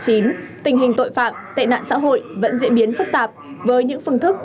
tình hình tội phạm tệ nạn xã hội vẫn diễn biến phức tạp với những phương thức